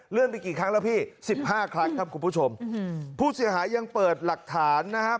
ไปกี่ครั้งแล้วพี่สิบห้าครั้งครับคุณผู้ชมผู้เสียหายยังเปิดหลักฐานนะครับ